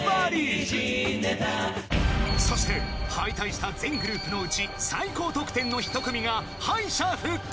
［そして敗退した全グループのうち最高得点の１組が敗者復活］